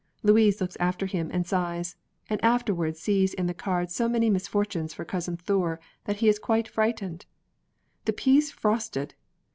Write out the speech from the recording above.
Louise looks after him and sighs, and afterwards sees in the cards so many misfortunes for Cousin Thure that he is quite frightened. "The peas frosted!"